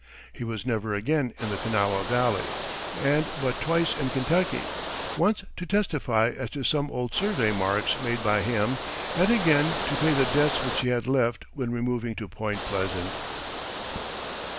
He was never again in the Kanawha Valley, and but twice in Kentucky once to testify as to some old survey marks made by him, and again to pay the debts which he had left when removing to Point Pleasant.